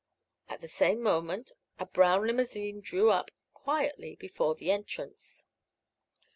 At the same moment a brown limousine drew up quietly before the entrance.